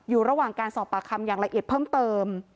อยู่ระหว่างการสอบปากคำอย่างละเอียดเพิ่มเติม